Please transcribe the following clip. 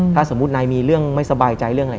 ถ้าสมมุตินายมีเรื่องไม่สบายใจเรื่องอะไร